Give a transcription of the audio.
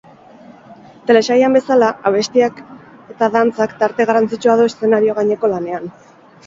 Telesailean bezala, abestiek eta dantzak tarte garrantzitsua du eszenario gaineko lanean.